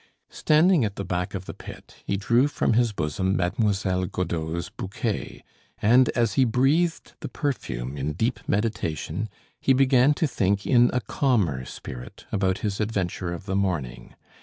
Standing at the back of the pit, he drew from his bosom Mademoiselle Godeau's bouquet, and, as he breathed the perfume in deep meditation, he began to think in a calmer spirit about his adventure of the morning.